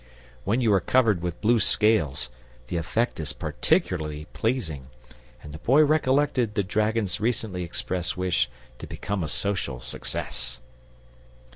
When you are covered with blue scales, the effect is particularly pleasing; and the Boy recollected the dragon's recently expressed wish to become a social success.